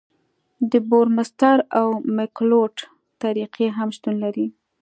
د بورمستر او مکلوډ طریقې هم شتون لري